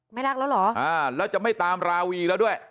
ไม่รักแล้วเหรออ่าแล้วจะไม่ตามราวีแล้วด้วย